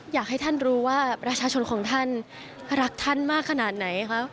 อยากให้ท่านรู้ว่าประชาชนของท่านรักท่านมากขนาดไหนคะ